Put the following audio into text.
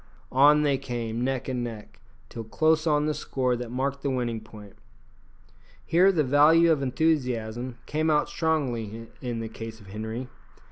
On they came neck and neck, till close on the score that marked the winning point. Here the value of enthusiasm came out strongly in the case of Henri.